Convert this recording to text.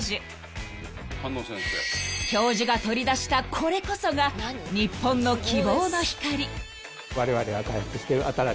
［教授が取り出したこれこそが日本の希望の光］